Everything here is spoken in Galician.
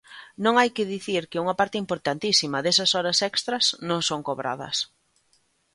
Non hai que dicir que unha parte importantísima desas horas extras non son cobradas.